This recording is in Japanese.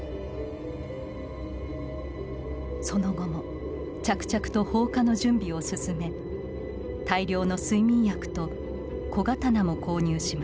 その後も着々と放火の準備を進め大量の睡眠薬と小刀も購入します